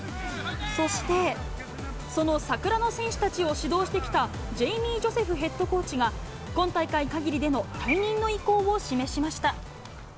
そして、その桜の戦士たちを指導してきたジェイミー・ジョセフヘッドコーチが、今大会かぎりでの退任の意向を示しました。